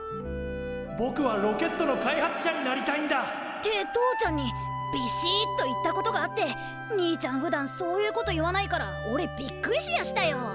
ぼくはロケットの開発者になりたいんだ！って父ちゃんにびしっと言ったことがあって兄ちゃんふだんそういうこと言わないからおれびっくりしやしたよ。